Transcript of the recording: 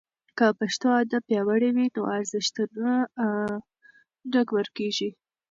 که پښتو ادب پیاوړی وي نو ارزښتونه نه ورکېږي.